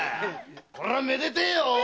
こりゃめでたいよ！